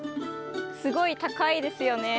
すごい高いですよね。